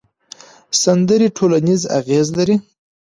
سندرې ټولنیز اغېز لري.